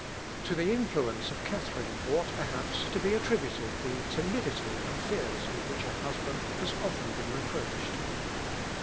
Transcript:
To the influence of Catharine ought, perhaps, to be attributed the timidity and fears with which her husband has often been reproached.